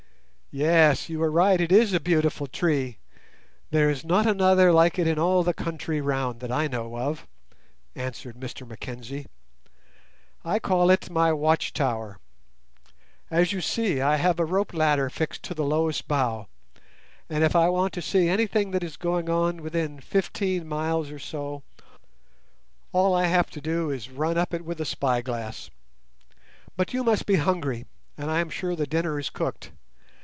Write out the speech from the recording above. "Yes, you are right; it is a beautiful tree. There is not another like it in all the country round, that I know of," answered Mr Mackenzie. "I call it my watch tower. As you see, I have a rope ladder fixed to the lowest bough; and if I want to see anything that is going on within fifteen miles or so, all I have to do is to run up it with a spyglass. But you must be hungry, and I am sure the dinner is cooked.